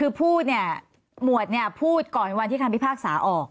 คือพูดเนี่ยหมวดเนี่ยพูดก่อนวันที่คำพิพากษาออก